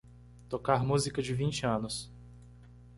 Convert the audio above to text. Tocar música de vinte anos